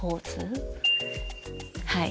はい。